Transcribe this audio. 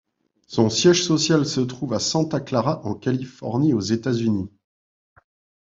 Son siège social se trouve à Santa Clara en Californie aux États-Unis.